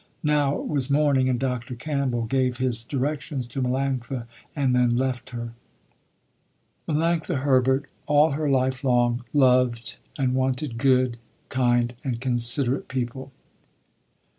Now it was morning and Dr. Campbell gave his directions to Melanctha, and then left her. Melanctha Herbert all her life long, loved and wanted good, kind and considerate people.